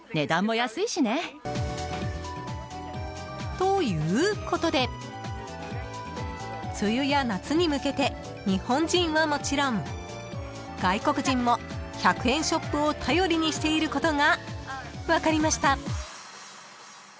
［ということで梅雨や夏に向けて日本人はもちろん外国人も１００円ショップを頼りにしていることが分かりました］